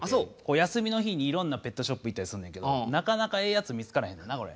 休みの日にいろんなペットショップ行ったりすんねんけどなかなかええやつ見つからへんのよなこれ。